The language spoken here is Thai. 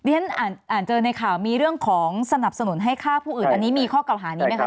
ฉันอ่านเจอในข่าวมีเรื่องของสนับสนุนให้ฆ่าผู้อื่นอันนี้มีข้อเก่าหานี้ไหมครับ